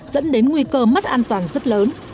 dẫn đến nguy cơ mất an toàn rất lớn